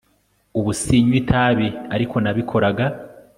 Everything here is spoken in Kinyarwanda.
Ubu sinywa itabi ariko nabikoraga